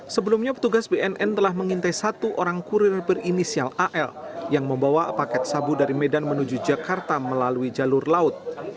sebelumnya petugas bnn telah mengintai satu orang kurir berinisial al yang membawa paket sabu dari medan menuju jakarta melalui jalur laut